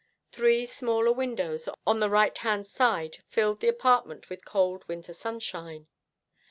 Three smaller windows on the right hand side filled the apartment with cold winter sunshine.